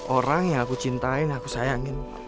orang yang aku cintain aku sayangin